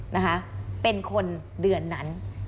นะคะเป็นคนเดือนนั้น